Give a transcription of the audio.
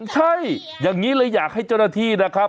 ใช่อย่างนี้เลยอยากให้เจ้าหน้าที่นะครับ